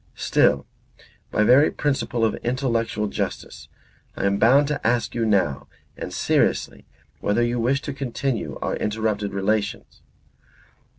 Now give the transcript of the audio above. Still, by every principle of intellectual justice, I am bound to ask you now and seriously whether you wish to continue our interrupted relations."